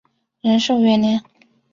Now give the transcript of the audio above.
仁寿元年。